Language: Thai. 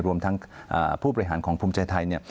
รวมทางผู้บริหารของภูมิใจไทยเนี่ย